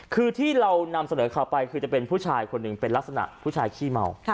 คือที่เรานำเสนอข่าวไปคือจะเป็นผู้ชายคนหนึ่งเป็นลักษณะผู้ชายขี้เมา